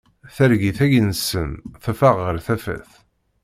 Targit-agi-nsen teffeɣ ɣer tafat.